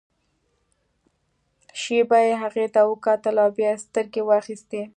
شېبه يې هغې ته وکتل او بيا يې سترګې واخيستې.